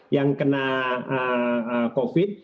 yang kena covid sembilan belas